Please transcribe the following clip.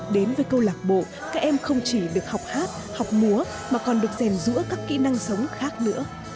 đến với câu lạc bộ các em không chỉ được học hát học múa mà còn được rèn rũa các kỹ năng sống khác nữa